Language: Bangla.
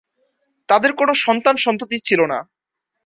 তাদের কোনো সন্তান-সন্ততি ছিল না।